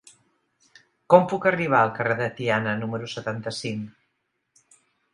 Com puc arribar al carrer de Tiana número setanta-cinc?